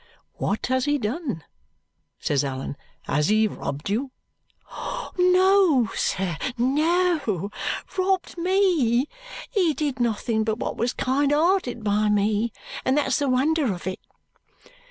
"What has he done?" says Allan. "Has he robbed you?" "No, sir, no. Robbed me? He did nothing but what was kind hearted by me, and that's the wonder of it."